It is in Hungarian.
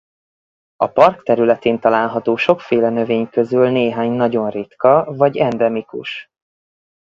A park területén található sokféle növény közül néhány nagyon ritka vagy endemikus.